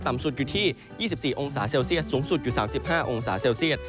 ต่ำสุดอยู่ที่๒๔องศาเซลเซียตสูงสุดอยู่ที่๓๕องศาเซียต